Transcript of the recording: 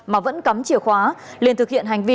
mà vẫn cắm chìa khóa liền thực hiện hành vi